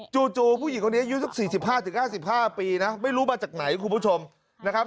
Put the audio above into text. จู่ผู้หญิงคนนี้อายุสัก๔๕๕ปีนะไม่รู้มาจากไหนคุณผู้ชมนะครับ